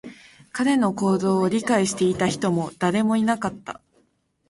彼の行動を理解していた人も誰もいなかった